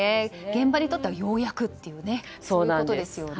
現場にとってはようやくということですよね。